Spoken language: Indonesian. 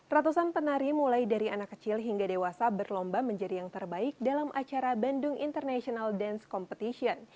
ratusan penari mulai dari anak kecil hingga dewasa berlomba menjadi yang terbaik dalam acara bandung international dance competition